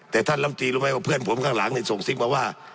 แต่ท่านลำตีรู้ไหมว่าเพื่อนผมข้างหลังส่งซิกมาว่า